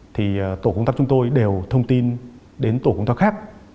thì tổ công tác chúng tôi đều thông tin đến tổ công tác khác